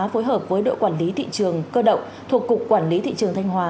phối hợp với đội quản lý thị trường cơ động thuộc cục quản lý thị trường thanh hòa